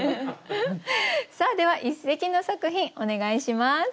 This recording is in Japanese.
さあでは一席の作品お願いします。